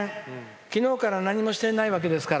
昨日から何もしてないわけですから。